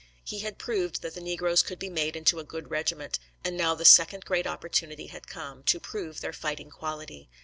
He had proved that the negroes could be made into a good regiment, and now the second great opportunity had come, to prove their fighting quality.